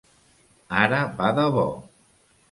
Ara va de bo!